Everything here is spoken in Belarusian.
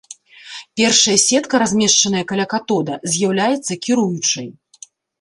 Першая сетка, размешчаная каля катода, з'яўляецца кіруючай.